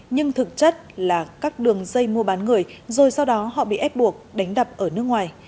nhưng thực chất là các đường dây mua bán người rồi sau đó họ bị ép buộc đánh đập ở nước ngoài